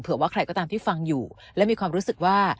ว่าใครก็ตามที่ฟังอยู่และมีความรู้สึกว่า